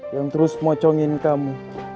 yang terus mocongin kamu